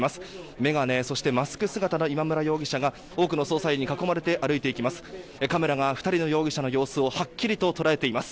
眼鏡、マスク姿の今村容疑者が多くの捜査員に囲まれて歩いていきます。